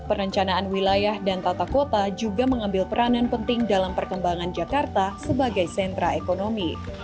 perencanaan wilayah dan tata kota juga mengambil peranan penting dalam perkembangan jakarta sebagai sentra ekonomi